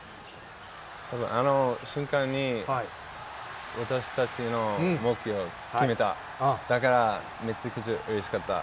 あの瞬間に、私たちの目標を決めた、だからめちゃくちゃうれしかった。